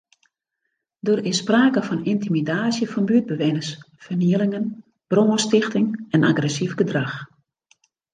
Der is sprake fan yntimidaasje fan buertbewenners, fernielingen, brânstichting en agressyf gedrach.